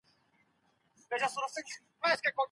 د قرعه کشۍ نتيجه بايد ومنل سي؟